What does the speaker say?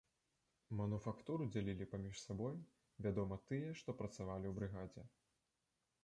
Мануфактуру дзялілі паміж сабой, вядома, тыя, што працавалі ў брыгадзе.